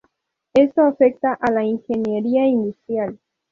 Esto afecta a la ingeniería industrial.